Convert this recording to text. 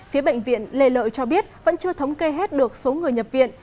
phía bệnh viện lê lợi cho biết vẫn chưa thống kê hết được số người nhập viện